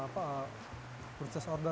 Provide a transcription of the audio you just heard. dari pihak yang sudah menerima order